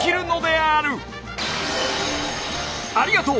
ありがとう！